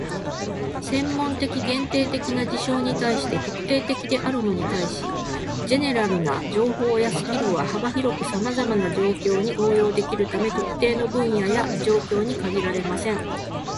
専門的、限定的な事象に対して「特定的」であるのに対し、"general" な情報やスキルは幅広くさまざまな状況に応用できるため、特定の分野や状況に限られません。